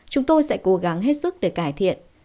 chúng tôi sẽ cố gắng hết sức để cải thiện